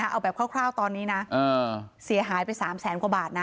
เอาแบบคร่าวตอนนี้นะเสียหายไป๓แสนกว่าบาทนะ